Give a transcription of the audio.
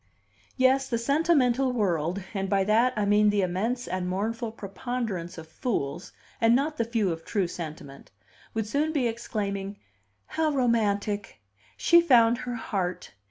Yes, the sentimental world (and by that I mean the immense and mournful preponderance of fools, and not the few of true sentiment) would soon be exclaiming: "How romantic! She found her heart!